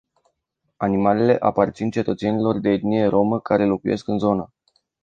Animalele aparțin cetățenilor de etnie rromă care locuiesc în zonă.